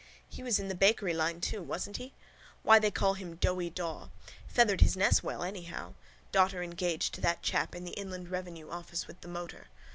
He was in the bakery line too, wasn't he? Why they call him Doughy Daw. Feathered his nest well anyhow. Daughter engaged to that chap in the inland revenue office with the motor.